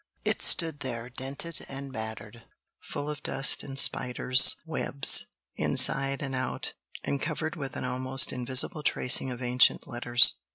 It stood there dented and battered, full of dust and spiders' webs, inside and outside, and covered with an almost invisible tracing of ancient letters.